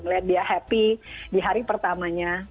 melihat dia happy di hari pertamanya